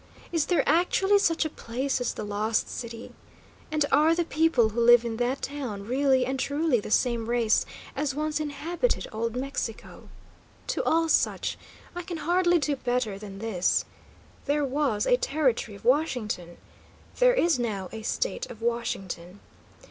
Is there actually such a place as the Lost City? And are the people who live in that town really and truly the same race as once inhabited Old Mexico?" to all such, I can hardly do better than this: there was a Territory of Washington. There is now a State of Washington.